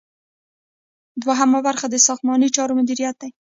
دوهم برخه د ساختماني چارو مدیریت دی.